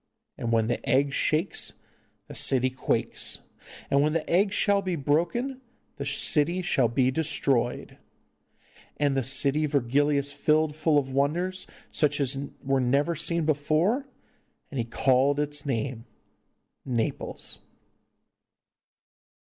And when the egg shakes the city quakes, and when the egg shall be broken the city shall be destroyed. And the city Virgilius filled full of wonders, such as never were seen before, and he called its name Naples.